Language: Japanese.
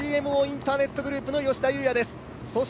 ＧＭＯインターネットグループの吉田祐也です。